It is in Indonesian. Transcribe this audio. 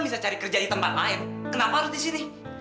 bisa cari kerja di tempat lain kenapa harus di sini